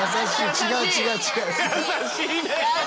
違う違う違う。